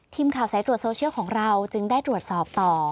ทีมข่าวสายตรวจโซเชียลของเราจึงได้ตรวจสอบต่อ